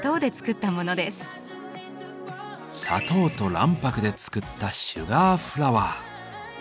砂糖と卵白で作った「シュガーフラワー」。